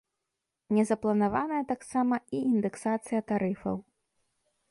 Не запланаваная таксама і індэксацыя тарыфаў.